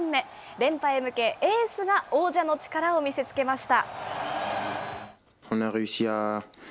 連覇へ向け、エースが王者の力を見せつけました。